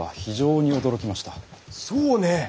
そうね！